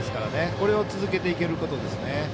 これを続けていけることですね。